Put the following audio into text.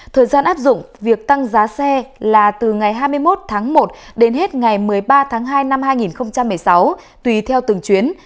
thời gian áp dụng việc tăng giá xe là từ ngày hai mươi một tháng một đến hết ngày một mươi ba tháng hai năm hai nghìn một mươi sáu tùy theo từng chuyến